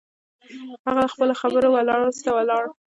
هغه له خبرو وروسته ولاړ.